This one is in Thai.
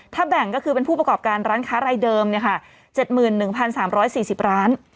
ถ้าแบ่งก็คือเป็นผู้ประกอบการร้านค้ารายเดิม๗๑๓๔๐ร้าน